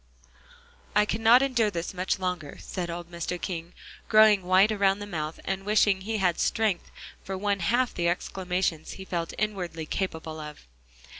"I cannot endure this much longer," said old Mr. King, growing white around the mouth, and wishing he had strength for one half the exclamations he felt inwardly capable of.